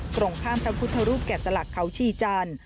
ตรงข้ามพระพุทธรูปแก่สลักเขาชีจันทร์